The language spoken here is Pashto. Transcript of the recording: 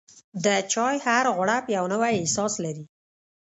د چای هر غوړپ یو نوی احساس لري.